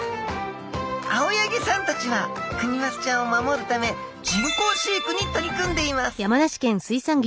青柳さんたちはクニマスちゃんを守るため人工飼育に取り組んでいますですみません。